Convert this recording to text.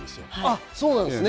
あそうなんですね。